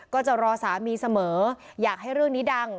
ก็จะรอสามีเสมออยากให้เรื่องนี้ดัง